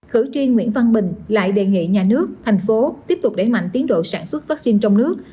khử chuyên nguyễn văn bình lại đề nghị nhà nước thành phố tiếp tục đẩy mạnh tiến độ sản xuất vaccine trong nước